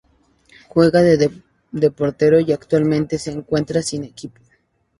Juega de portero y actualmente se encuentra sin equipo.